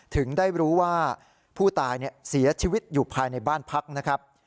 ถึงได้รู้ว่าผู้ตายเสียชีวิตอยู่ภายในบ้านพักนะครับ